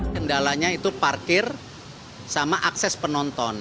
kendalanya itu parkir sama akses penonton